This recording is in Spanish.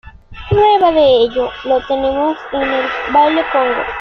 Prueba de ello lo tenemos en el baile Congo.